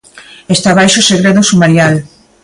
Está baixo segredo sumarial.